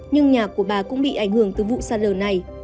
nhưng nhà của bà cũng bị ảnh hưởng từ vụ xa lờ này